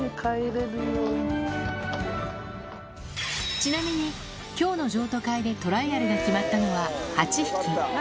ちなみに、きょうの譲渡会でトライアルが決まったのは８匹。